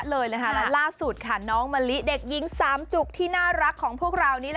และล่าสุดค่ะน้องมะลิเด็กหญิงสามจุกที่น่ารักของพวกเรานี่แหละ